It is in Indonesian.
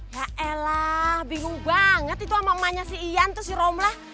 yaelah bingung banget itu sama emaknya si ian terus si romlah